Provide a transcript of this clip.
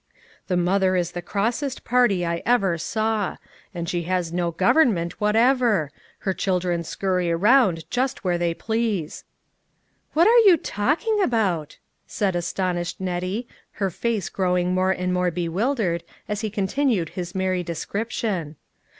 The mother is the Grossest party I ever saw ; and she has no government whatever ; her children scurry around just where they please." " What are you talking about ?" said aston 278 LITTLE FISHERS: AND THEIR NETS. ished Nettie, her face growing more and more bewildered as he continued his merry descrip tion.